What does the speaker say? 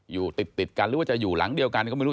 อยู่ติดกันหรือว่าจะอยู่หลังเดียวกันก็ไม่รู้